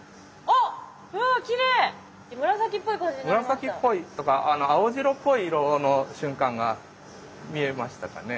紫っぽいとか青白っぽい色の瞬間が見えましたかね？